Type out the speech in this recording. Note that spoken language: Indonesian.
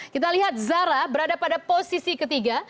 kita lihat zara berada pada posisi ketiga